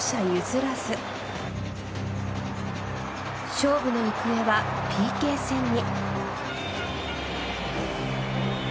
勝負の行方はＰＫ戦に。